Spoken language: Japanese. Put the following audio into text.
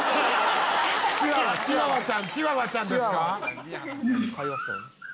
「チワワチワワ」「チワワちゃんですか？」